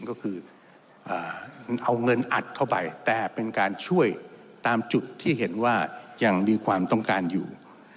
ก็คือเอาเงินอัดเข้าไปแต่เป็นการช่วยตามจุดที่เห็นว่ายังมีความต้องการอยู่